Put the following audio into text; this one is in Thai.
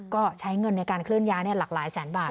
ก็ใช้เงินในการเคลื่อนย้ายหลากหลายแสนบาท